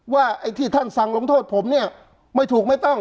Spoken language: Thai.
ไอ้ที่ท่านสั่งลงโทษผมเนี่ยไม่ถูกไม่ต้อง